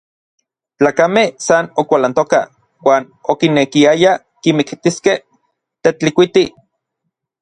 Tlakamej san okualantokaj uan okinekiayaj kimiktiskej Tetlikuiti.